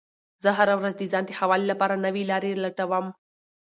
زه هره ورځ د ځان د ښه والي لپاره نوې لارې لټوم